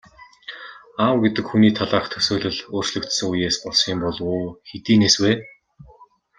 Аав гэдэг хүний талаарх төсөөлөл өөрчлөгдсөн үеэс болсон юм болов уу, хэдийнээс вэ?